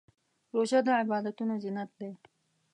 روژه د عبادتونو زینت دی.